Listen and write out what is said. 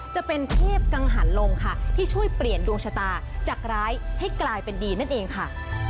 จะเป็นเทพกังหันลมค่ะที่ช่วยเปลี่ยนดวงชะตาจากร้ายให้กลายเป็นดีนั่นเองค่ะ